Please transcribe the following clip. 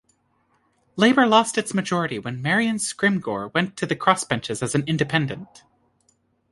Labor lost its majority when Marion Scrymgour went to the cross-benches as an independent.